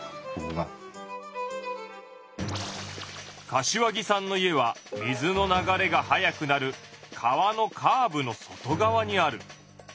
柏木さんの家は水の流れが速くなる川のカーブの外側にある。